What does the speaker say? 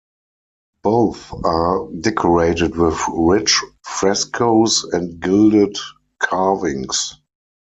Both are decorated with rich frescoes and gilded carvings.